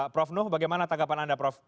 prof nuh bagaimana tanggapan anda prof